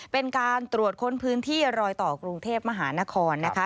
เป็นการตรวจค้นพื้นที่รอยต่อกรุงเทพมหานครนะคะ